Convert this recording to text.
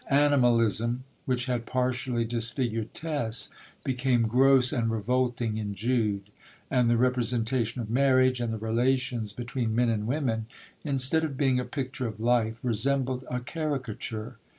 Animalism, which had partially disfigured Tess, became gross and revolting in Jude; and the representation of marriage and the relations between men and women, instead of being a picture of life, resembled a caricature.